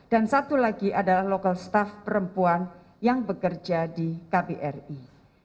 dan satu lagi adalah lokal staff perempuan yang bekerja di kbri